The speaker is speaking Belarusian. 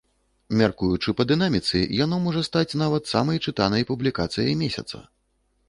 Мяркуючы па дынаміцы, яно можа стаць нават самай чытанай публікацыяй месяца.